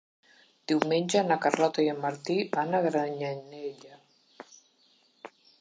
Diumenge na Carlota i en Martí van a Granyanella.